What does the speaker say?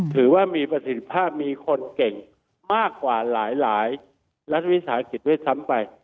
ถือว่ามีประสิทธิภาพมีคนเก่งมากกว่าหลายรัฐวิสาหกิจด้วยซ้ำไป